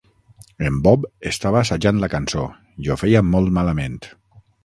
En Bob estava assajant la cançó, i ho feia molt malament.